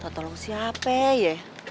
tau tolong siapa ya